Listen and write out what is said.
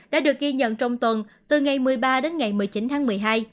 đã được ghi nhận trong tuần từ ngày một mươi ba đến ngày một mươi chín tháng một mươi hai